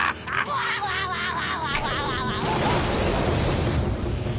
ワワワワワ！